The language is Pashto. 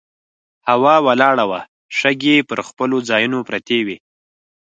هوا ولاړه وه، شګې پر خپلو ځایونو پرتې وې.